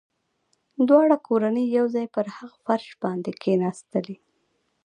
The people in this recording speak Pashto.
دواړه کورنۍ يو ځای پر هغه فرش باندې کښېناستلې.